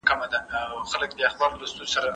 همکاري د تجارت او ترانزیت لپاره مهمه ده.